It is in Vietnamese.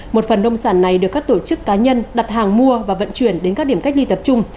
một phần nông sản này được các tổ chức cá nhân đặt hàng mua và vận chuyển đến các điểm cách ly tập trung